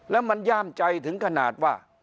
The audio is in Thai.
แล้วมันย่ามใจถึงขนาดว่า